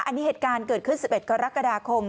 อันนี้เหตุการณ์เกิดขึ้น๑๑กรกฎาคม